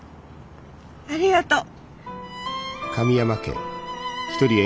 ありがとう。